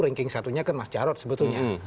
ranking satunya kan mas jarod sebetulnya